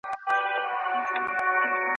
مقاله باید په دقت سره ولیکل سي.